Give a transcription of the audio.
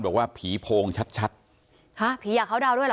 บอกว่าผีโพงชัดฮ่าผีอยากเข้าดาวด้วยล่ะ